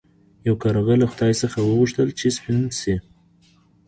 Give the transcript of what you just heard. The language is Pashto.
یو کارغه له خدای څخه وغوښتل چې سپین شي.